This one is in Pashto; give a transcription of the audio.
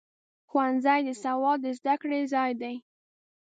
ښوونځی د سواد د زده کړې ځای دی.